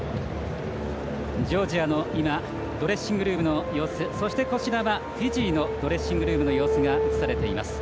ジョージアのドレッシングルームの様子そして、こちらはフィジーのドレッシングルームの様子が映されています。